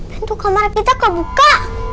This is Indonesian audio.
pintu kamar kita kebuka